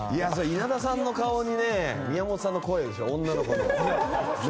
稲田さんの顔に宮本さんの声でしょ？